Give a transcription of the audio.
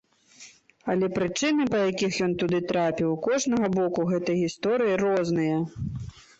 Але прычыны, па якіх ён туды трапіў, у кожнага боку гэтай гісторыі розныя.